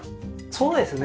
そうですね。